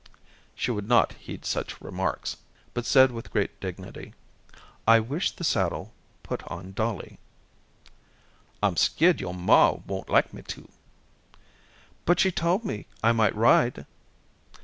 She would not heed such remarks, but said with great dignity: "I wish the saddle put on Dollie." "I'm skeered yo'r maw won't like me to." "But she told me I might ride."